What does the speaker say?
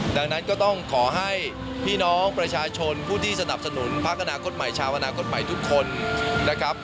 ดังนั้นก็ต้องขอให้พี่น้องประชาชนผู้ที่สนับสนุนพักอนาคตใหม่ชาวอนาคตใหม่ทุกคนนะครับ